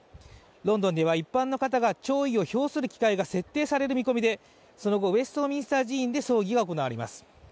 ロンドでは一般の方が弔意を表される機会が設定される予定で、その後、ウェストミンスター寺院で葬儀が行われます。